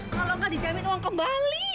kalau nggak dijamin uang kembali